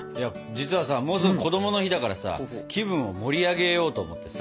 実はさもうすぐこどもの日だからさ気分を盛り上げようと思ってさ。